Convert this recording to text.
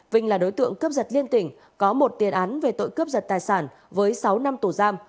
vinh là đối tượng cướp giật liên tỉnh có một tiền án về tội cướp giật tài sản với sáu năm tù giam